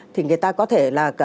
thì người ta có thể là